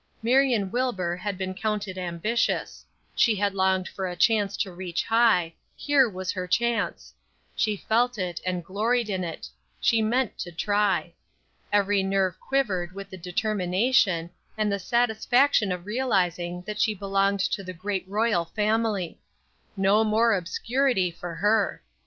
Marion Wilbur had been counted ambitious; she had longed for a chance to reach high; here was her chance; she felt it, and gloried in it; she meant to try. Every nerve quivered with the determination, and the satisfaction of realizing that she belonged to the great royal family. No more obscurity for her.